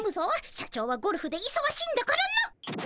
社長はゴルフでいそがしいんだからな。